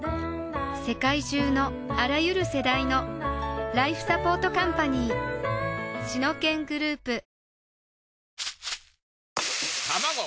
世界中のあらゆる世代のライフサポートカンパニーシノケングループ